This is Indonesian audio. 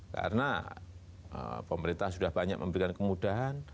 karena pemerintah sudah banyak memberikan kemudahan